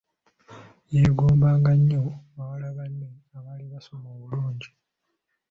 Yeegombanga nnyo bawala banne abaali basoma obulungi.